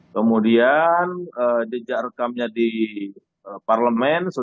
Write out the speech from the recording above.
kemudian jejak rekamnya di parlemen